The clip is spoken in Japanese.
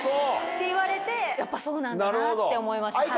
って言われてそうなんだなって思いました。